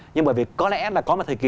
nhưng bởi vì có lẽ là có một thời kỳ